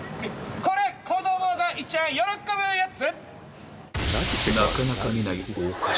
これ子供がいっちゃん喜ぶやつ！